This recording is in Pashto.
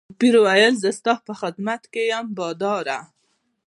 پیري وویل زه ستا په خدمت کې یم باداره.